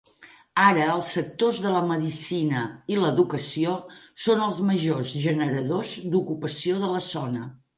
Ara els sectors de la medicina i l'educació són els majors generadors d'ocupació de la zona.